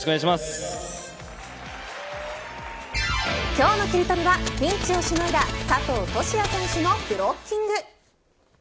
今日のキリトリはピンチをしのいだ佐藤都志也選手のブロッキング。